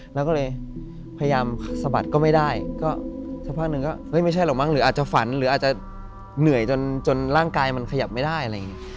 แล้วก็เลยพยายามสะบัดก็ไม่ได้ก็สักพักหนึ่งก็ไม่ใช่หรอกมั้งหรืออาจจะฝันหรืออาจจะเหนื่อยจนร่างกายมันขยับไม่ได้อะไรอย่างนี้